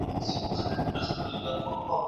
ویره مو له پښو مه غورځوئ.